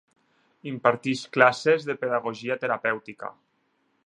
Imparteix classes de Pedagogia Terapèutica.